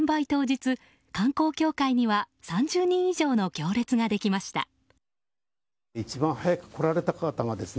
当日観光協会には３０人以上の行列ができました。